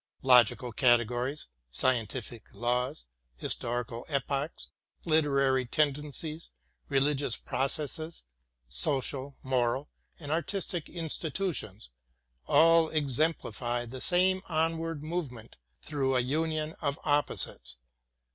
Logical categories, scien tific laws, historical epochs, literary tendencies, religious processes, social, moral, and artistic institutions, all ex emplify the same onward movement through a union of opposites.